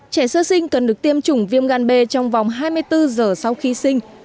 trẻ sơ sinh cần được tiêm chủng viêm gan b trong vòng hai mươi bốn giờ sau khi sinh